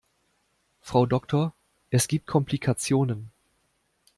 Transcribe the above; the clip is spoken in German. Frau Doktor, es gibt Komplikationen.